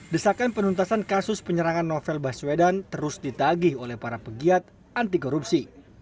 desakan penuntasan kasus penyerangan novel baswedan terus ditagih oleh para pegiat anti korupsi